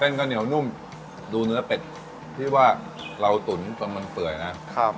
เส้นก๋าเหนียวนุ่มดูเนื้อเป็ดที่ว่าเราปรุนตำเปลืองปื่อยนะครับ